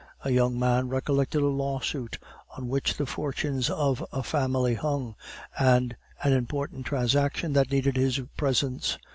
A young man recollected a lawsuit on which the fortunes of a family hung, and an important transaction that needed his presence.